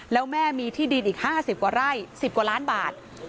แล้วแม่มีที่ดินอีก๕๐กว่าไร่๑๐กว่าล้านบาท